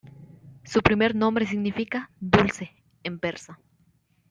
Su primer nombre significa "dulce" en persa.